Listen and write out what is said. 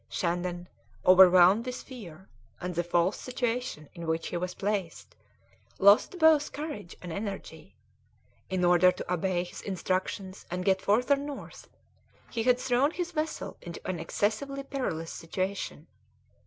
Shandon, overwhelmed with fear, and the false situation in which he was placed, lost both courage and energy; in order to obey his instructions and get further north, he had thrown his vessel into an excessively perilous situation.